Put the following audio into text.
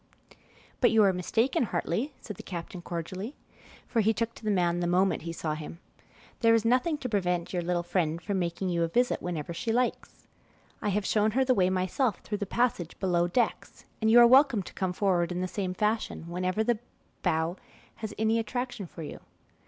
"But you are mistaken, Hartley," said the captain cordially, for he took to the man the moment he saw him. "There is nothing to prevent your little friend from making you a visit whenever she likes. I have shown her the way myself through the passage below decks, and you are welcome to come forward in the same fashion whenever the bow has any attraction for you.